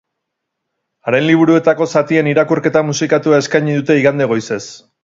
Haren liburuetako zatien irakurketa musikatua eskaini dute igande goizez.